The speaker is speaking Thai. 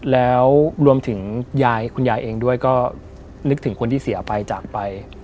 แล้วรวมถึงยายคุณยายเองด้วยก็นึกถึงคนที่เสียไปจากไป